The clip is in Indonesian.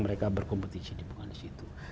mereka berkompetisi di situ